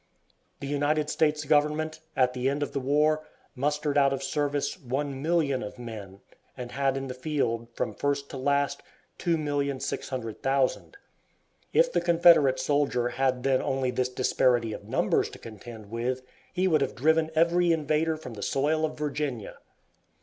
The United States government, at the end of the war, mustered out of service 1,000,000 of men, and had in the field, from first to last, 2,600,000. If the Confederate soldier had then had only this disparity of numbers to contend with, he would have driven every invader from the soil of Virginia.